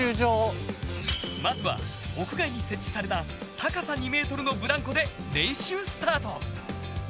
まずは屋外に設置された高さ２ｍのブランコで練習スタート。